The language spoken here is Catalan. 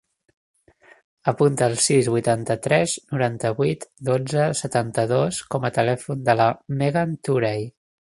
Apunta el sis, vuitanta-tres, noranta-vuit, dotze, setanta-dos com a telèfon de la Megan Touray.